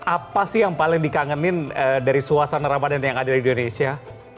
apa sih yang paling dikangenin dari suasana ramadan yang ada di indonesia